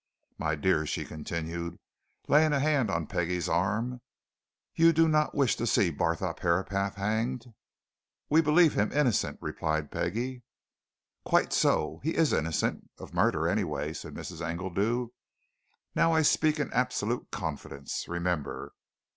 My dear!" she continued, laying a hand on Peggie's arm, "you do not wish to see Barthorpe Herapath hanged?" "We believe him innocent," replied Peggie. "Quite so he is innocent of murder, anyway," said Mrs. Engledew. "Now I speak in absolute confidence, remember!